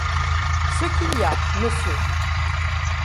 Ce qu’il y a, monsieur !